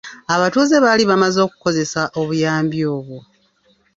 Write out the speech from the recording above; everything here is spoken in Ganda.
Abatuze baali bamaze okukozesa obuyambi obwo.